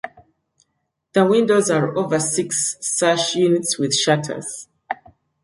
The windows are over six sash units with shutters.